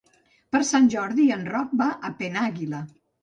Per Sant Jordi en Roc va a Penàguila.